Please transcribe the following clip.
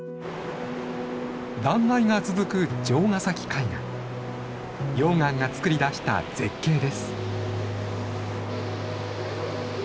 断崖が続く溶岩がつくり出した絶景です。